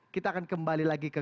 kita akan kembali lagi ke